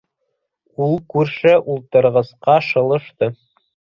Ул күрше ултырғысҡа шылышты.